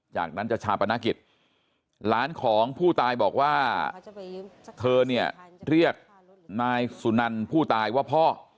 จากนั้นจะชาปนกิจหลานของผู้ตายบอกว่าเธอเนี่ยเรียกนายสุนันผู้ตายว่าพ่อ